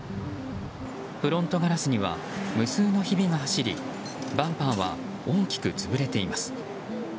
フロントガラスには無数のひびが走りバンパーは大きく潰れています。